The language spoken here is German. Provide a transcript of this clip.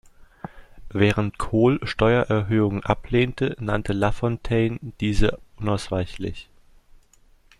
Während Kohl Steuererhöhungen ablehnte, nannte Lafontaine diese unausweichlich.